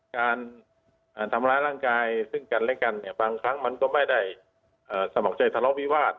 การทำร้ายร่างกายซึ่งกันและกันเนี่ยบางครั้งมันก็ไม่ได้สมัครใจทะเลาะวิวาส